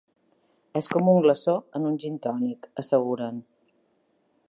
És com un glaçó en un gintònic, asseguren.